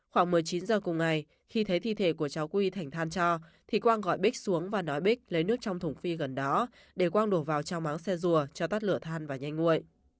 khoảng một mươi chín giờ cùng ngày khi thấy thi thể của cháu quy thành than cho thì quang gọi bích xuống và nói bích lấy nước trong thùng phi gần đó để quang đổ vào trao máu xe rùa cho tắt lửa than và nhanh nguội